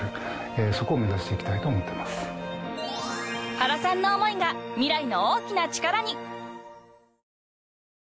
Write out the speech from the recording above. ［原さんの思いが未来の大きな力に］